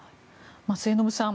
末延さん